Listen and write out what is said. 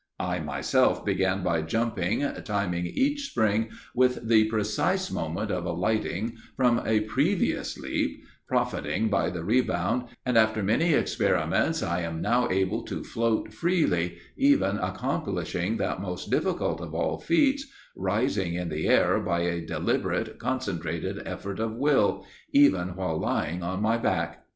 I myself began by jumping, timing each spring with the precise moment of alighting from a previous leap, profiting by the rebound, and, after many experiments I am now able to float freely, even accomplishing that most difficult of all feats, rising in the air by a deliberate concentrated effort of will, even while lying on my back.